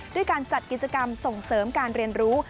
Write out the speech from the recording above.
ด้วยการจัดกิจกรรมส่งเสริมการเรียนรู้